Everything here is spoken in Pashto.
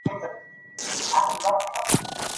په مغزو کې عصبي شبکه د سندرو په وخت پراخه کېږي.